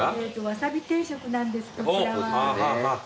わさび定食なんですこちらは。